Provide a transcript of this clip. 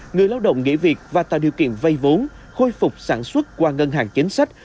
người lao động nghỉ việc và tạo điều kiện vay vốn khôi phục sản xuất qua ngân hàng chính sách